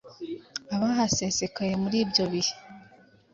Abahasesekaye muri ibyo bihe,